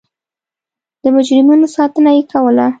د مجرمینو ساتنه یې کوله.